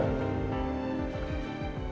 dihentikan aja no